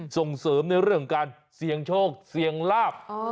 ส่งเสริมในเรื่องของการเสี่ยงโชคเสี่ยงลาบ